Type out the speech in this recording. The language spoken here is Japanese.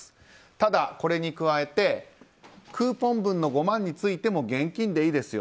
ただ、これに加えてクーポン分の５万円についても現金でいいですよ。